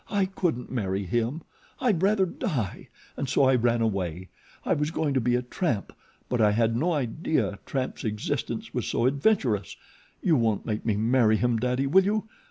"I couldn't marry him. I'd rather die, and so I ran away. I was going to be a tramp; but I had no idea a tramp's existence was so adventurous. You won't make me marry him, Daddy, will you?